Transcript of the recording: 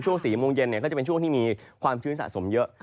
๔โมงเย็นก็จะเป็นช่วงที่มีความชื้นสะสมเยอะ